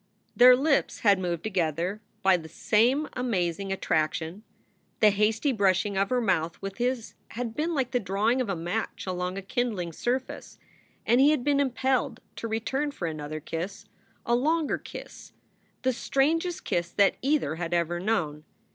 Their lips had moved together by the same amazing attraction. The hasty brushing of her mouth with his had been like the drawing of a match along a kindling surface, and he had been impelled to return for another kiss, a longer kiss, the strangest kiss that either had ever known.